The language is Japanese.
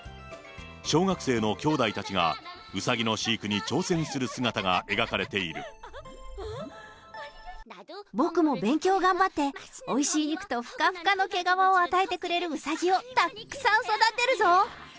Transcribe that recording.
小学生のきょうだいたちがうさぎの飼育に挑戦する姿が描かれてい僕も勉強を頑張って、おいしい肉とふかふかの毛皮を与えてくれるうさぎをたっくさん育てるぞ。